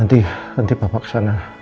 nanti bapak kesana